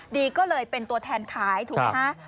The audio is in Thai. ดีก็เลยเป็นตัวแทนขายถูกไหมคะ